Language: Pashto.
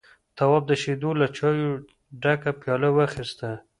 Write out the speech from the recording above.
تواب د شيدو له چايو ډکه پياله واخيسته.